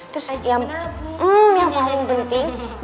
terus yang paling penting